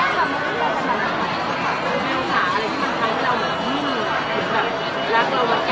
ก็มันเป็นด้วยความเข้าใจกันของคนทั้งสองสายนี้ล่ะครับ